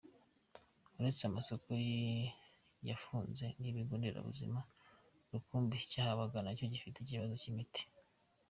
Uretse amasoko yafunze n’ikigo nderabuzima rukumbi cyahabaga nacyo gifite ikibazo cy’imiti.